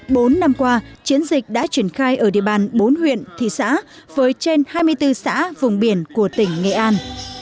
bốn năm qua chiến dịch đã triển khai ở địa bàn bốn huyện thị xã với trên hai mươi bốn xã vùng biển của tỉnh nghệ an